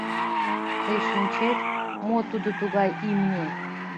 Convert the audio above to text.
Тый шинчет, мо тудо тугай имне?